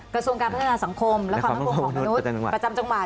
กระทรวงการพัฒนาสังคมและความมั่นคงของมนุษย์ประจำจังหวัด